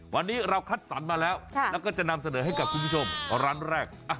วันนี้เราคัดสรรมาแล้วแล้วก็จะนำเสนอให้กับคุณผู้ชมร้านแรก